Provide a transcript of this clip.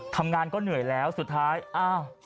ทำงานก็เหนื่อยแล้วสุดท้ายอ้าว